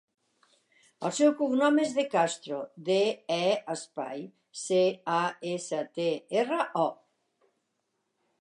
El seu cognom és De Castro: de, e, espai, ce, a, essa, te, erra, o.